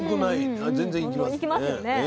全然行きますね。